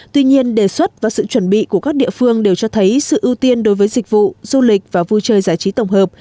tuy nhiên đề xuất và sự chuẩn bị của các địa phương đều cho thấy sự ưu tiên đối với dịch vụ du lịch và vui chơi giải trí tổng hợp